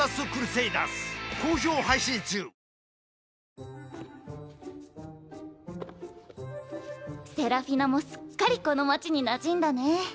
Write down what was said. セラフィナもすっかりこの街になじんだね。